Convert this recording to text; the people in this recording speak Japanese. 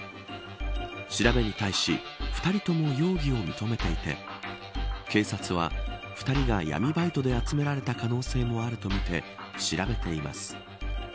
調べに対し２人とも容疑を認めていて警察は、２人が闇バイトで集められた可能性もあるとみて調べています。